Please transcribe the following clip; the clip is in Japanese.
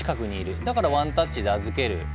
だから、ワンタッチで預ける。